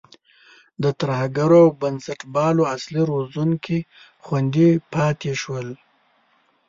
د ترهګرو او بنسټپالو اصلي روزونکي خوندي پاتې شول.